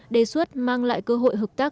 đề xuất mang lại cơ hội hợp tác